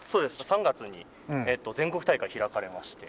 ３月に全国大会開かれまして。